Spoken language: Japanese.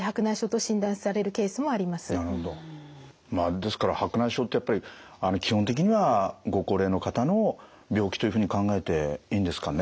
ですから白内障ってやっぱり基本的にはご高齢の方の病気というふうに考えていいんですかね？